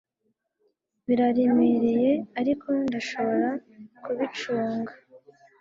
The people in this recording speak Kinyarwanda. Biraremereye ariko ndashobora kubicunga